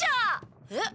えっ？